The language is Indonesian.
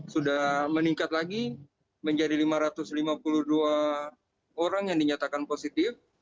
sudah meningkat lagi menjadi lima ratus lima puluh dua orang yang dinyatakan positif